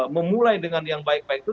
memulai dengan yang baik baik itu